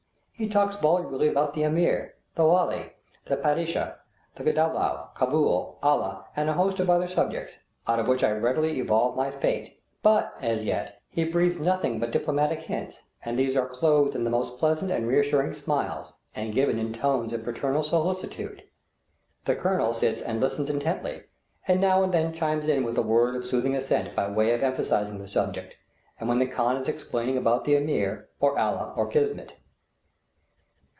He talks volubly about the Ameer, the Wali, the Padishah, the dowleh, Cabool, Allah, and a host of other subjects, out of which I readily evolve my fate; but, as yet, he breathes nothing but diplomatic hints, and these are clothed in the most pleasant and reassuring smiles, and given in tones of paternal solicitude. The colonel sits and listens intently, and now and then chimes in with a word of soothing assent by way of emphasizing the subject, when the khan is explaining about the Ameer, or Allah, or kismet.